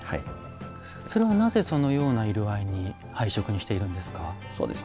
それはなぜそのような色合い配色にしてるんですか？